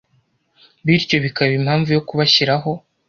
bityo bikaba impamvu yo kubashyiraho